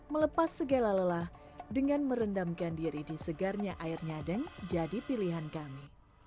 melepas segala lelah dengan merendamkan diri di segarnya air nyadeng jadi pilihan kami